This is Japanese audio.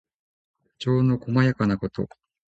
情のこまやかなこと。